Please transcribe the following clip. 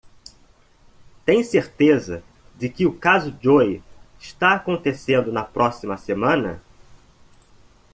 Tem certeza de que o caso Joe está acontecendo na próxima semana?